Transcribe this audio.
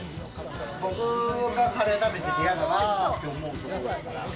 僕がカレー食べてて嫌だなと思うところ。